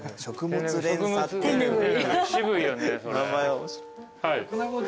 渋いよねそれ。